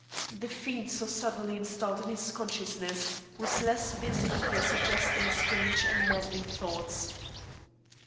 The fiend so suddenly installed in his consciousness was less busy here suggesting strange and maddening thoughts.